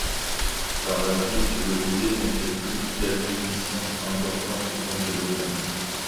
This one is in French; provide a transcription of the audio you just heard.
Par la suite, le musée ne fait plus d'acquisition importante dans ce domaine.